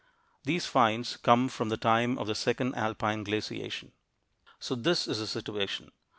These finds come from the time of the second alpine glaciation. So this is the situation.